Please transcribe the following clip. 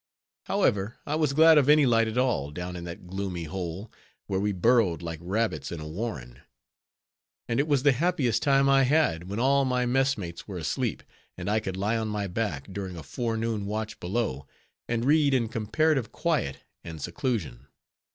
However, I was glad of any light at all, down in that gloomy hole, where we burrowed like rabbits in a warren; and it was the happiest time I had, when all my messmates were asleep, and I could lie on my back, during a forenoon watch below, and read in comparative quiet and seclusion.